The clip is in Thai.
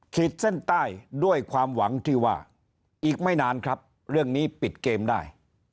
ขีดเส้นใต้ด้วยความหวังที่ว่าอีกไม่นานครับเรื่องนี้ปิดเกมได้